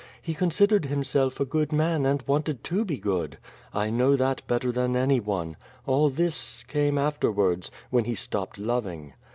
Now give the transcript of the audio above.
He considered him self a good man, and wanted to be good. I know that better than any one. All this came afteni^ards — ^when he stopped loving.